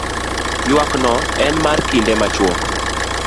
ywak no en mar kinde machuok